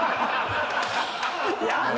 やだ！